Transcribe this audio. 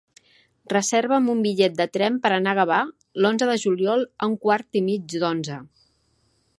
Reserva'm un bitllet de tren per anar a Gavà l'onze de juliol a un quart i mig d'onze.